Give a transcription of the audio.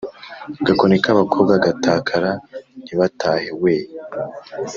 gakoni k’abakobwa gatakara ntibatahe weee